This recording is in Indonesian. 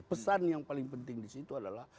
pesan yang paling penting disitu adalah